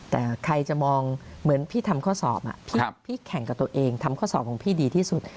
แต่ใครจะมองเหมือนพี่ทำข้อสอบพี่แข่งกับตัวเองทำข้อสอบของพี่ดีที่สุด